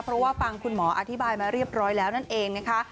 เพราะว่าฟังคุณหมออธิบายมาเรียบร้อยแล้วนั่นเองนะคะ